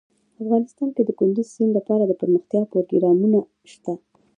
افغانستان کې د کندز سیند لپاره دپرمختیا پروګرامونه شته.